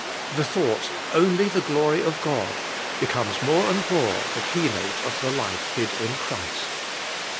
The thought, Okly the Gloky of God, becomes more and more the keynote of the life hid in Christ.